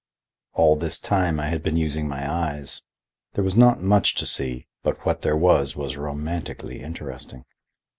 All this time I had been using my eyes. There was not much to see, but what there was was romantically interesting.